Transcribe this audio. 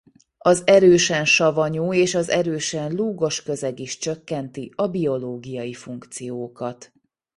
Az erősen savanyú és az erősen lúgos közeg is csökkenti a biológiai funkciókat.